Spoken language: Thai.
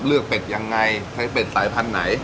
เป็ดยังไงใช้เป็ดสายพันธุ์ไหน